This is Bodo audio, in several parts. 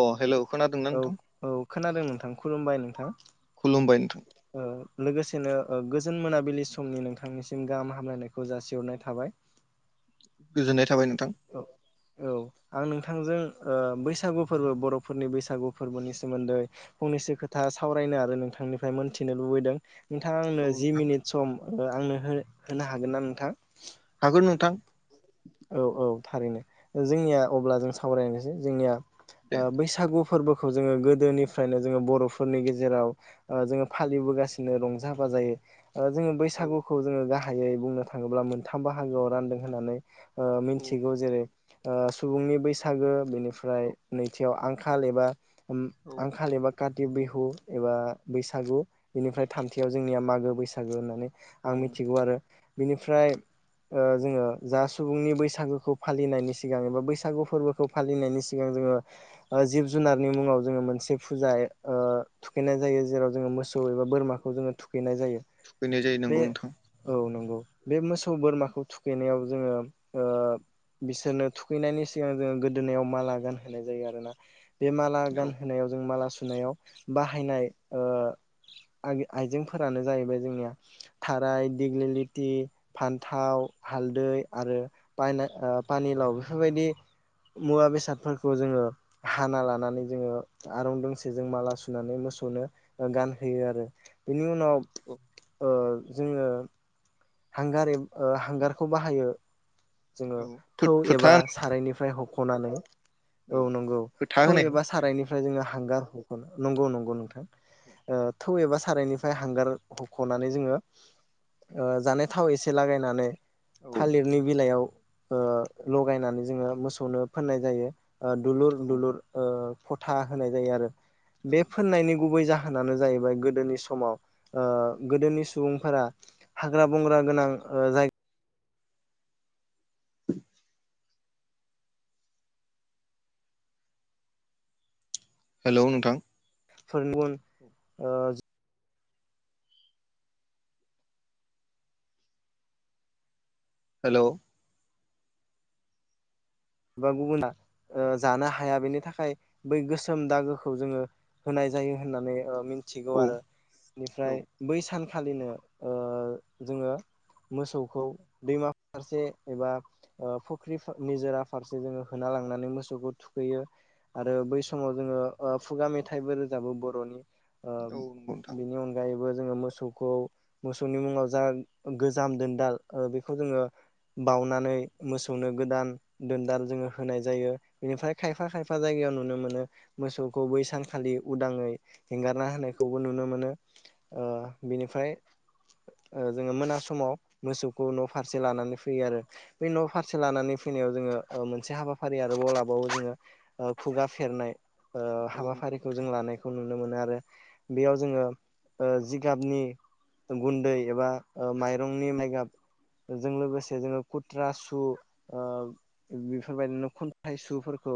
अ हेलौ खोनादोंना औ नोंथां औ खोनादों नोंथां खुलुमबाय नोंथां खुलुमबाय नोंथां ओ लोगोसेनो ओ गोजोन मोनाबिलि समनि नोंथांनिसिम गाहाम हामलायनायखौ जासिहरनाय थाबाय [inaudible] गोजोननाय थाबाय नों- औ औ आं नोंथां थांजों ओ बैसागु फोरबो बर'फोरनि बैसागु फोरबोनि सोमोन्दै फंनैसो खोथा सावराय नो आरो नोंथांनिफ्राय मोनथिनो लुबैदों नोंथाङा औ आंनो जि नोंथां मिनिट सम ओ आंनो हो होनो हागोन ना नोंथां? हागोन नोंथां औ औ थारैनो जोंनिया अब्ला जों सावरायनोसै जोंनिया ओ दे बैसागु फोरबोखौ जोङो गोदोनिफ्रायनो जोङो बर'फोरनि गेजेराव ओ जोङो फालिबोगासिनो रंजा बाजा जायो ओ जोङो औ बैसागुखौ जोङो गाहायै बुंनो थाङोब्ला मोनथाम बाहागोआव रानदों होननानै ओ औ मिथिगौ जेरै नोंथां सुबुंनि बैसागो बेनिफ्राय औ नैथियाव आं आंखाल एबा औ आंखाल एबा कति बिहु एबा बैसागु बेनिफ्राय थामथियाव जोंनिया मागो बैसागो होननानै औ आं मिथिगौ आरो बिनिफ्राय ओ जो सुबुंनि बैसागखौ फालिनायनि सिगां एबा बैसागु फोरबोखौ फालिनायनिा जोङो जिब जुन जुनारनि मुङाव जोङो मोनसे फुजा ओ थुखैनाय जायो जेराव जोङो मोसौ एबा बोरमाखौ जोङो थुखैनाय जायो थुखैनाय जायो बे नोंगौ नोंथां औ नंगौ बे मोसौ बोरमाखौ थुखैनायाव जोङो ओ बिसोरनो थुखैनायनि सिगां जोङो गोदोनायाव माला गान होनाय जायो आरोना बे माला औ गानहोनायाव जों माला सुनायाव बाहायनाय ओ आइजेंफोरानो जाहैबाय जोंनिया थाराय दिग्लिलिथि फान्थाव हालदै आरो पानिलाव बेफोरबायदि मुवा बेसादफोरखौ जोङो हाना लानानै जोङो आर दोंसे जों माला सुनानै जों मोसौनो गानहोयो आरो बेनि उनाव औ जोङो हांगार हांगारखौ बाहायो जोङो औ थौ फो- एबा फोथा होनाय, सारायनिफ्राय हख'नानै औ नंगौ फोथा थौ होनायाव एबा सारायनिफ्राय जोंनो हांगार हगोन नंगौ नंगौ नोंथां थौ एबा सारायनिफ्राय हांगार हख'नानै जोङो ओ जानाय थाव एसे लागायनानै औ थालिरनि बिलाइयाव ओ लगायनानै जोङो मोसौनो फोननाय जायो दुलुर औ दुलुर ओ फथा होनाय जायो आरो बे फोननायनि गुबै जाहोनानो जाहैबाय गोदोनि समाव गोदोनि सुबुंफोरा हाग्रा बंग्रा गोनां ओ जायगा हेलौ नोंथां फोर गुबुन हेल बा गुबुना ओ जानो हाया बेनि थाखाय बै गोसोम दागोखौ जोङो होनाय जायो होननानै मिथि मिथिगौ औ आरो औ बेनिफ्राय बै सानखालिनो जोङो मोसौखौ दैमा फारसे एबा फुख्रि निजोरा फारसे जोङो होना लांनानै मोसौखौ थुखैयो आरो बै समाव जोङो फुगा मेथाइफोर औ नंगौ नोंथां बरनिनि अनगायैबो जो‌ मोसौखौ मोसौनि मुङाव जा गोजाम दोनदाल बेखौ जोङो बावनानै मोसौनो गोदान दोनदाल जोङो होनाय जायो बेनिफ्राय खायफा खायफा जायगायाव नुनो मोनो मोसौखौ बै सानखालि उदाङै हंगारना होनायखौबो नुनो मोनो बिनिफ्राय जोङो मोना समाव मोसौखौ न फारसे लानानै फैयो आरो बे न फारसे लानानै फैनायाव जोङो मोनसे हाबाफारि आरोबाव लाबावो जोङो खुगा फेरनाय औ हाबाफारिखौ जों लानायखौ नुनो मोनो आरो बेयाव जोङो जिगाबनि गुन्दै एबा माइरंनि माइ गाब बेजों लोगोसे जोङो खुथ्रा सु बेफोरबायदिनो खन्थाइ सुफोरखौ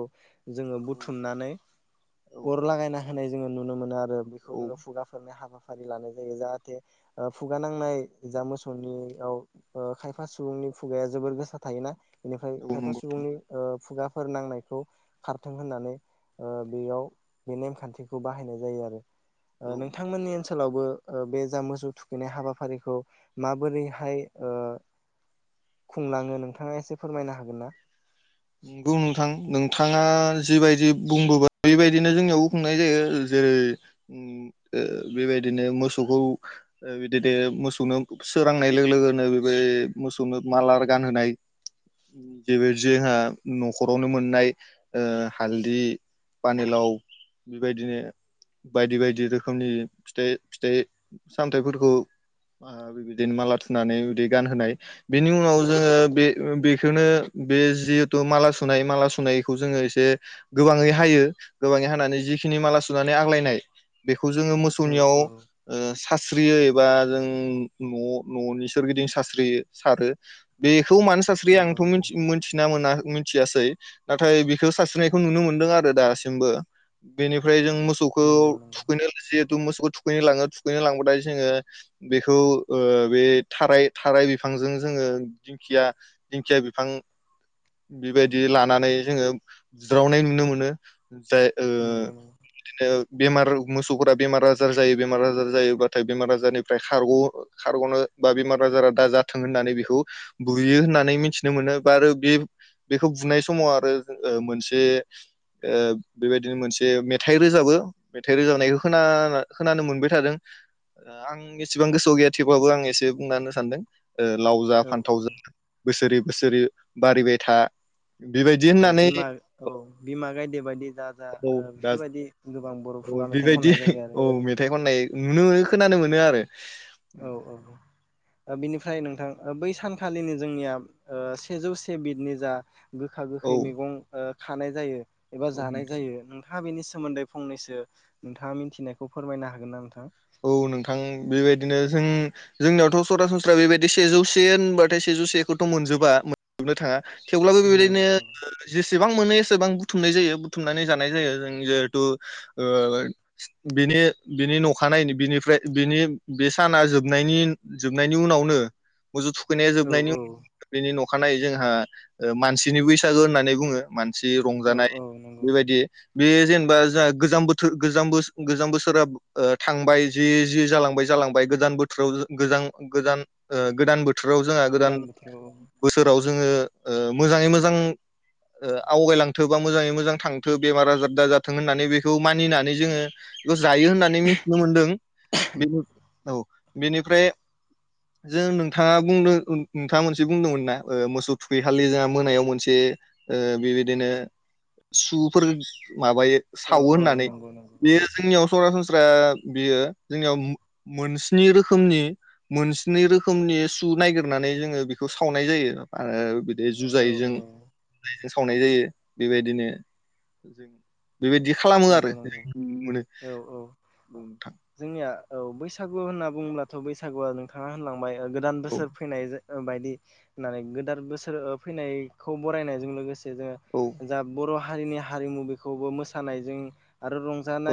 जोङो बुथुमनानै औ अर लागायना होनाय जोङो नुनो मोनो आरो बेखौ औ औ जोङो खुगाफोरनाय हाबा हाबाफारि लानाय जायो जाहाथे खुगा नांनाय जा मोसौनियाव खायफा सुबुंनि खुगाया जोबोर गोसा थायोना बेनिफ्राय नंगौ खायफा नोंथां सुबुंनि फोर नांनायखौ खारथों होननानै ओ बेयाव बे नेमखान्थिखौ बाहायनाय जायो आरो औ नोंथां। नोंथांमोननि ओनसोलावबो बे जा मोसौ थुखैनाय हाबाफारिखौ माबोरैहाय ओ खुंलाङो नोंथाङा एसे फोरमायनो हागोन ना? नंगौ नोंथां नोंथाङा जिबायदि बुंबोबाय बेबायदिनो जोंनियावबो खुंनाय जायो जेरै ओम बेबायदिनो मोसौखौ बिदिनो मोसौनो सोरांनाय लोगो लोगोनो बे मोसौनो माला गानहोनाय बे जोंहा न'खरावनो मोननाय ओ हालदै पानिलाव बेबायदिनो बायदि बायदि रोखोमनि फिथाइ फिथाइ सामथायाइफोरखौ बेबायदिनो माला थुनानै बिदि गानहोनाय बेनि उनाव जोङो बे बेखौनो बेजिक माला सुनाय माला सुनायखौ जोङो एसे गोबाङै हायो गोबाङै हानानै जिखिनि माला सुनानै आग्लायनाय बेखौ जोङो औ मोसौनियाव औ ओ सास्रियो एबा जों न' न'नि सोर गिदिं सास्रियो सारो बेखौ मानो सास्रियो नंगौ आंथ' नंगौ मिथिना मोना मिथियासै नाथाय बेखौ सानस्रिनायखौ नुनो मोनदों आरो दासिमबो बेनिफ्राय जों मोसौखौ नंगौ नंगौ थुखैनो लांजि मोसौखौ थुखैनो लाङो थुखैनो लांबाथाय जोङो बेखौ ओ बे थाराय थाराय बिफां बिफांजों जोङो दिंखिया दिंखिया बिफां [inaudible] बेबायदि लानानै जोङो बुज्रावनाय नुनो मोनो। ओ जाय नंगौ बिदिनो बेमार मोसौफोरा बेमार आजार जायो बेमार आजार जायोबाथाय बेमार आजारनिफ्राय खारग खारग'नो बा बेमार आजारा दा जाथों होननानै बेखौ बुयो होननानै मिथिनो मोनो बा आरो बे बेखौ बुनाय समाव आरो मोनसे बेबायदिनो मोनसे मेथाइ रोजाबो मेथाइ रोजाबनायखौ खोना खोनानो मोनबाय थादों आं एसिबां गोसोआव गैया थेवब्लाबो आं एसे बुंना होनो सानदों लाव जा नंगौ फान्थाव औ जा बोसोरै बोसोरै बारिबाय था बेबायदि औ होननानै बिमा औ बिमा गायदे बायदि दा जा औ ओ दा बेफोरबायदि गोबां बर' औ खुगा मेथाइ बेबायदि खननाय जायो आरो औ मेथाइ खननाय नुनो मोनो खोनानो मोनो आरो औ औ बिनिफ्राय नोंथां बै सानखालिनो जोंनिया सेजौ से बिदनि जा गोखा औ गोखै मैगं ओ खानाय जायो एबा जानाय जायो नोंथाङा बेनि सोमोन्दै फंनैसो नोंथाङा मिथिनायखौ फोरमायनो हागोन ना नोंथां? औ नोंथां बेबायदिनो जों जोंनियावथ' सरासनस्रा बेबायदि सेजौसे होनबाथाय से जौ सेखौथ' मोनजोबा मोननोबो थाङा थेवब्लाबो नंगौ बेबायदिनो नंगौ जेसेबां मोनो एसेबां बां बुथुमनाय जायो बुथुमनानै जानाय जायो जों जहेथुनि ओ अखानायै नो बिनिफ्राय बिनि बे साना जोबनायनि जोबनायनि उनावनो मोसौ थुखैनाया औ जोबनायनि उनाव बेनि न'खर अखानाय जोंहा मानसिनि बैसागो होननानै बुङो मानसि औ रंजानाय औ नंगौ बेबायदि बे जेनेबा जोंहा गोजाम बोथोर गोजाम गोजाम बोसोरा थांबाय जि जि जालांबाय जालांबाय गोजान बोथोराव गोजान गोजान गोदान बोथोर आव जोंहा गोदान बोसोराव जोङो ओ‌ मोजाङै मोजां आवगायलांथों बा मोजाङै मोजां थांथों बेमार आजार दाजाथों होननानै बेखौ मानिनानै जोङो बेखौ जायो होननानै मिथिनो मोनदों। बे औ बेनिफ्राय जों नोंथाङा बुंदों नोंथाङा मोनसे बुंदोंमोन ना मोसौ थुखैखालि जोंहा मोनायाव मोनसे ओ बेबायदिनो सुफोर माबायो। औ सावो औ होननानै नंगौ नंगौ बेयो जोंनियाव सरासन स्रा बेयो जोंनियाव मोनस्नि रोखोमनि मोनस्नि रोखोमनि सु नायागिरनानै जोङो बेखौ सावनाय जायो आरो। बे औ जुजायजों औ जुजायजों सावनाय जायो। बेबायदिनो जों बेबायदि खालामो आरो नंगौ नंगौ जों मोनो औ औ बुंथां औ जोंनिया बैसागु होनना बुङ्लाथ बैसागुआ नोंथाङा होनलांबाय गोदान औ बोसोर फैनाय बायदि होननानै गोदान बोसोर फैनायखौ बरायनायजों लोगोसे ज औ जा बर हारिनि हारिमु बेखौबो मोसानायजों आरो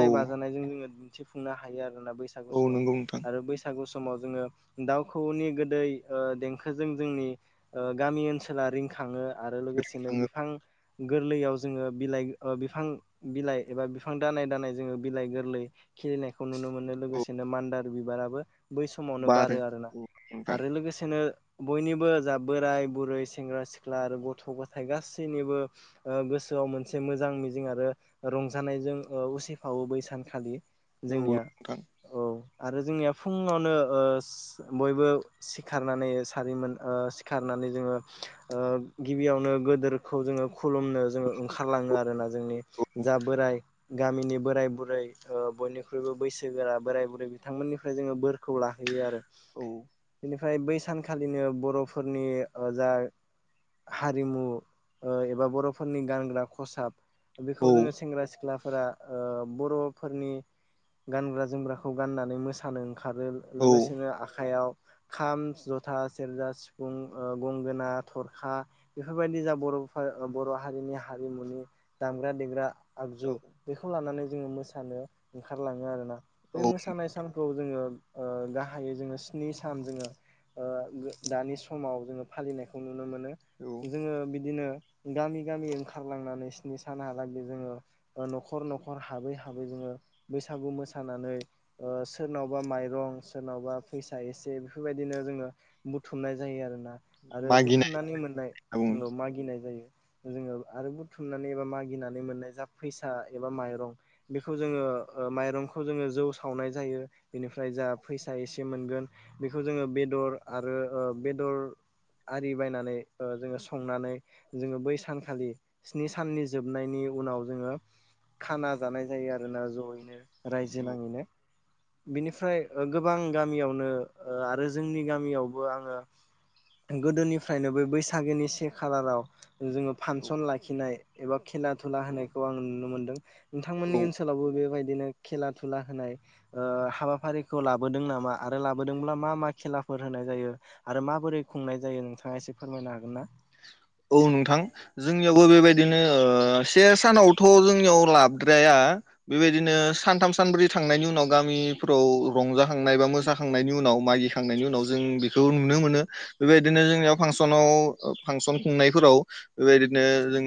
औ बाजानायजों जोङो दिन्थिफुंनो हायो आरो ना बैसागु औ समाव नंगौ नोंथां आरो बैसागु सम समाव जोङो दाउखौनि गोदै देंखोजों जोंनि गामि ओनसोला रिंखाङो। आरो लोगोसेनो आङो बिफां गोरलैयाव जोङो बिलाइ बिफां बिलाइ एबा बिफां दानाय दानाय जोङो बिलाइ गोरलै खिलिनायखौ नुनो मोनो औ लोगोसेनो मान्दार बिबाराबो बै समावनो बारो आरोना औ नोंथां आरो लोगोसेनो बयनिबो जा बोराय बुरै सेंग्रा सिख्ला आरो गथ गथाय गासैनिबो गोसो मोनसे मोजां मिजिं आरो रंजानायजों उसिफावो बै सानखालि औ जोंनिया नोंथां औ आरो जोंनिया फुङावनो बयबो सिखारनानै सारिमोन सिखारनानै जोङो ओ गिबियावनो गिदिरखौ जोङो खुलुमनो जोङो ओंखारलाङो आरो ना जोंनि औ जा बोराय गामिनि बोराय बुरै बयनिख्रुइबो बैसोगोरा बोराय बुरै बिथांमोननिफ्राय जोङो बोरखौ लाहैयो आरो। औ बेनिफ्राय बै सानखालिनो बरफोरनि जा हारिमु एबा बरफोरनि गानग्रा खसाब बेखौ औ खौ जोङो सेंग्रा सिख्लाफोरा बरफोरनि गानग्रा जोमग्राखौ गाननानै मोसानो ओंखारो औ लोगोसेनो आखाइयाव खाम जथा सेरजा सिफुं गंगोना थरखा बेफोरबायदि जा बर' हारिनि हारिमुनि दामग्रा देग्रा आगजु बेखौ लानानै जोङो मोसानो ओंखारलाङो आरोना। बै औ औ मोसानाय सानखौ जोङो गाहायै जोङो स्नि सान जोङो ओ दानि समाव जोङो फालिनायखौ नु नुनो मोनो औ जोङो बिदिनो गामि गामि ओंखारलांनानै स्नि सान हा लागै नख नखर हाबै हाबै जोङो बैसागु मोसानानै सोरनावबा माइरं सोरनावबा फैसा एसे बेफोरबायदिनो जोङो बुथुमनाय जायो आरो ना। आरो मागिनाय बुथुमनानै मोननाय होनना मागिनाय जायो जोङो आरो बुथुमनानै एबा मागि गिनानै मोननाय जा फैसा एबा माइरं बेखौ जोङो माइरंखौ जोङो जौ सावनाय जायो। बेनिफ्राय जा फैसा एसे मोनगोन बेखौ जोङो बेदर आरो बेदर आरि बायनानै जोङो संनानै जोङो बै सानखालि स्नि साननि जोबनायनि उनाव जोङो खाना जानाय जायो आरोना जयैनो रायजो बुङो। नाङैनो बिनिफ्राय गोबां गामियावनो आरो जोंनि गामियावबो आङो गोदोनिफ्रायनो बै बैसागोनि से खालाराव जोङो औ फांसन लाखिनाय एबा खेला दुला औ होनायखौ आं नुनो मोनदों नोंथांमोननि औ औ ओनसोलावबो बेबायदि बिदिनो खेला दुला होनाय हाबाफारिखौ लाबोदों नामा आरो लाबोदोंब्ला मा मा खेला फोर होनाय जायो आरो माबोरै खुंनाय जायो नोंथाङा एसे फोरमायनो हागोन ना। औ नोंथां जोंनियावबो बेबायदिनो से सानावथ जोंनियाव लाबद्राया बेबायदिनो सानथाम सानब्रै थांनायनि उनाव गामिफोराव रंजाखांनाय बा मोसाखांनायनि उनाव उनाव मागि खांनायनि उनाव जों बेखौ नुनो मोनो बेबायदिनो जोंनियाव फांसन फांसन खुंनायफोराव बेबायदिनो जों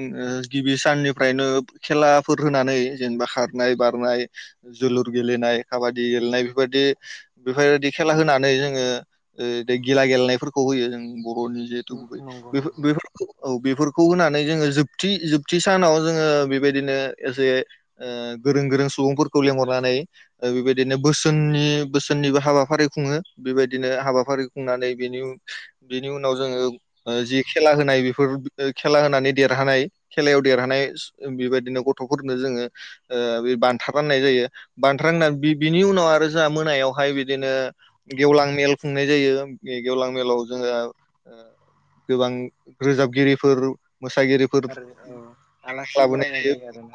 गिबि साननिफ्रायनो खेलाफोर होनानै जेन खारनाय बारनाय जोलुर गेलेनाय काबादि गेलेनाय बेफोरबायदि बेफोरबायदि खेला होनानै जोङो द गिला गेलेनायफोरखौ होयो जों बरनि जिहेथु गुबै नंगौ बे नंगौ बेफोर औ बेफोरखौ होनानै जोङो जोबथि जोबथि सानाव जोङो बेबायदिनो एसे गोरों गोरों सुबुंफोरखौ लेंहरनानै बेबायदिनो बोसोननि बोसोननिबो हाबाफारि खुङो बेबायदिनो हाबाफारि खुंनानै बेनि बेनि उनाव जोङो ओ जि खेला होनाय बेफोर ओ खेला होनानै देरहानाय खेलायाव देरहानाय बेबायदिनो गथ'फोरनो जोङो ओ बान्था राननाय जायो बान्था राननानै बि बिनि उनाव आरो जोंहा मोनायावहाय बिदिनो गेवलां मेल खुंनाय जायो बे गेवलां मेलाव जोङो ओ गोबां रोजाबगिरिफोर मोसागिरिफोर आरो औ लेंना आलासि लाबोनाय बरायनाय जायो आरोना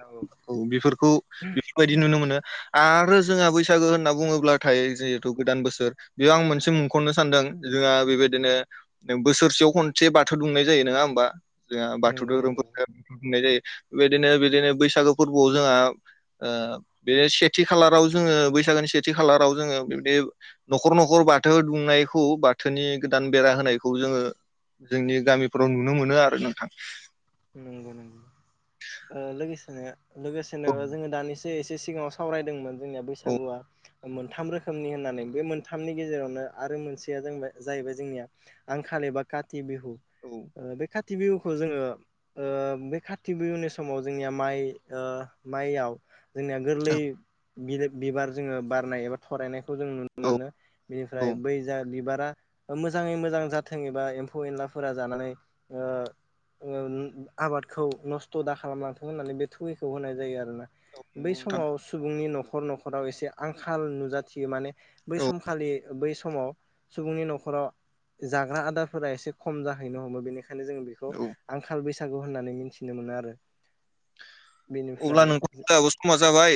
औ बेफोरखौ बेफोरबायदि नुनो मोनो आरो जोंहा बैसागो होनना बुङोब्लाथाय जिहेथु गोदान बोसोर बेयाव आं मोनसे मुंख'नो सानदों जोंङा बेबायदिनो बोसोरसेयाव खनसे बाथौ दुमनाय जायो नोङा होमबा जोंहा बाथौ नंगौ नंगौ धोरोमफोरा बाथौ दुमनाय जायो। बेबायदिनो बिदिनो बैसागो फोरबोआव जोंहा ओ बिदिनो सेथि खालाराव जोङो बैसागोनि सेथि खालाराव जोङो बेबादि न'खर न'खर बाथौ दुंमनायखौ बाथोनि गोदान बेरा होना- नायखौ जोङो जोंनि गामिफ्राव नुनो मोनो आरो नोंथां नंगौ नंगौ ओ लोगोसेनो लोगोसेनो औ जोङो दानि एसे एसे सिगाङाव सावरायदोंमोन जोंनिया औ बैसागुआ मोनथाम रोखोमनि होननानै बे मोनथामनि गेजेरावनो आरो मोनसेया जों जाहैबाय जोंनिया आंखाल एबा काथि बिहु औ बे खाथि बिहुखौ जोङो ओ बे खाथि बिहुनि समाव जोंनिया माइ माइयाव जोंनिया गोरलै बिला बिबार जोङो बारनाय एबा थरायनायखौ जों नुनो औ मोनो औ बेनिफ्राय नंगौ बै जा बिबार फोरा ओ मोजाङै मोजां जाथों एबा एम्फौ एनलाफोरा जानानै ओ ओ आबादखौ नस्थ' दा खालामलांथों होननानै बे थुगिखौ होनाय जायो आरोना बै नोंथां समाव सुबुंनि न'खर न'खराव एसे आंखाल नुजाथियो माने बै औ समखालि बै सम समाव सुबुंनि न'खराव जाग्रा आदारफोरा एसे खम जाहैनो हमो बेनिखायनो खायनो जोङो बेखौ औ आंखाल बैसागु होननानै मिथिनो मोनो आरो अब्ला बेनिफ्राय नोंथां जाहाबो समा जाबाय